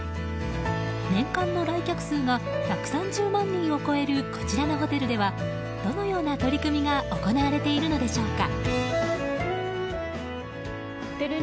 年間の来客数が１３０万人を超えるこちらのホテルではどのような取り組みが行われているのでしょうか。